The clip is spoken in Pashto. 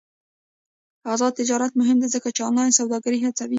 آزاد تجارت مهم دی ځکه چې آنلاین سوداګري هڅوي.